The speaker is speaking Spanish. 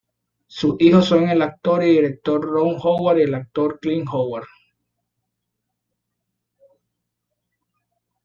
Sus hijos son el actor y director Ron Howard y el actor Clint Howard.